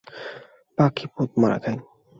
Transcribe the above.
পাখি পোদ মারা খায়।